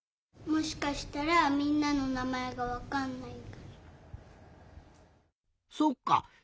もしかしたらみんなのなまえがわかんないから。